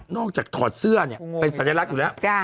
อกจากถอดเสื้อเนี่ยเป็นสัญลักษณ์อยู่แล้ว